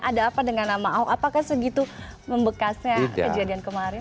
ada apa dengan nama ahok apakah segitu membekasnya kejadian kemarin